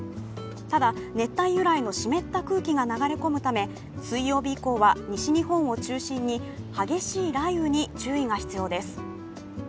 ただ、熱帯由来の湿った空気が流れ込むため水曜日以降は西日本を中心に激しい雷雨に注意が必要です。